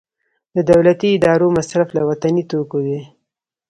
د دولتي ادارو مصرف له وطني توکو دی